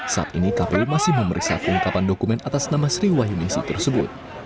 saat ini kpu masih memeriksa pengkapan dokumen atas nama sriwayunisi tersebut